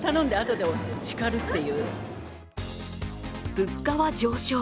物価は上昇。